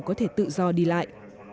có thể tự do đi lại